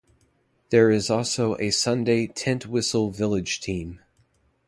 There is also a Sunday Tintwistle Village team.